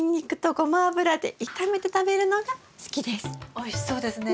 おいしそうですね。